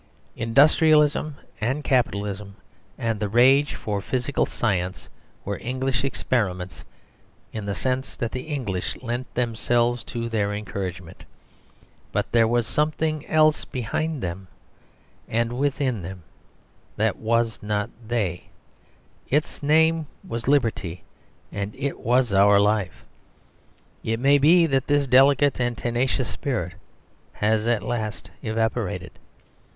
Industrialism and Capitalism and the rage for physical science were English experiments in the sense that the English lent themselves to their encouragement; but there was something else behind them and within them that was not they its name was liberty, and it was our life. It may be that this delicate and tenacious spirit has at last evaporated.